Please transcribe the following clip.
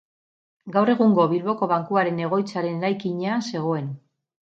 Gaur egungo Bilboko Bankuaren egoitzaren eraikinean zegoen.